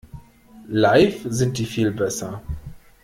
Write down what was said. Live sind die viel besser.